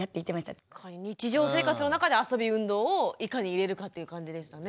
日常生活の中で遊び運動をいかに入れるかっていう感じでしたね。